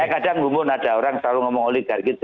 saya kadang ngumun ada orang selalu ngomong oligarki